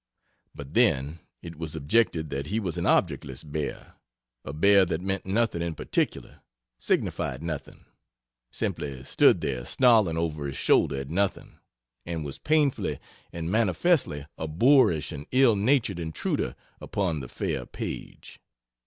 But then, it was objected, that he was an objectless bear a bear that meant nothing in particular, signified nothing, simply stood there snarling over his shoulder at nothing and was painfully and manifestly a boorish and ill natured intruder upon the fair page.